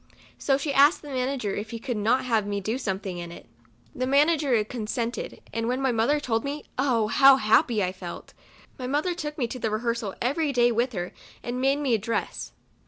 So she asked the manager if he could not have me do something in it. The manager consented, and when my mother told me, oh ! how happy I felt. My mother took me to the rehearsal every day with her, and made me a (Jress.